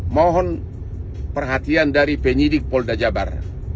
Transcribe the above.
mohon perhatian dari penyidik polda jabar